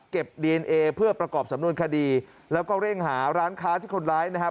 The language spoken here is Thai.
ดีเอนเอเพื่อประกอบสำนวนคดีแล้วก็เร่งหาร้านค้าที่คนร้ายนะครับ